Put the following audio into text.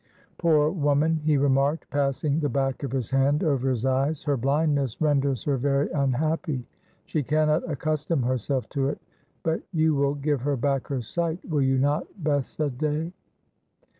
"Poor woman," he remarked, passing the back of his hand over his eyes, "her blindness renders her very unhappy. She cannot accustom herself to it But you will give her back her sight, will you not, Bessadée?"